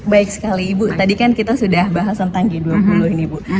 baik sekali ibu tadi kan kita sudah bahas tentang g dua puluh ini bu